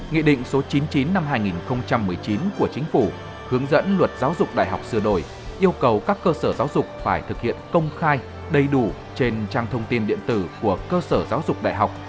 nghị định số chín mươi chín năm hai nghìn một mươi chín của chính phủ hướng dẫn luật giáo dục đại học sửa đổi yêu cầu các cơ sở giáo dục phải thực hiện công khai đầy đủ trên trang thông tin điện tử của cơ sở giáo dục đại học